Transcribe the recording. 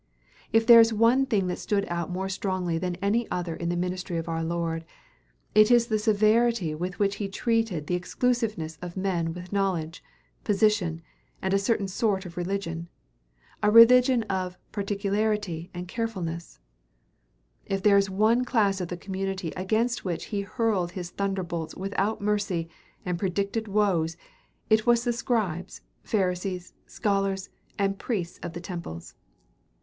If there is one thing that stood out more strongly than any other in the ministry of our Lord, it is the severity with which he treated the exclusiveness of men with knowledge, position, and a certain sort of religion, a religion of particularity and carefulness; if there is one class of the community against which he hurled his thunderbolts without mercy and predicted woes, it was the scribes, Pharisees, scholars, and priests of the temples.